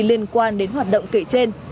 liên quan đến hoạt động kể trên